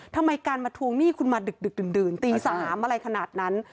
ทำไมการมาทวงหนี้คุณมาดึกดื่นตี๓อะไรขนาดนั้น